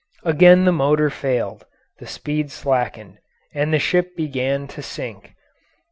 Again the motor failed, the speed slackened, and the ship began to sink.